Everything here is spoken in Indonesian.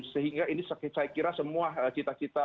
sehingga ini saya kira semua cita cita